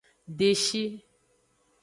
Deshi.